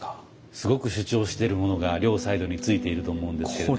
すごく主張しているものが両サイドに付いていると思うんですけれども。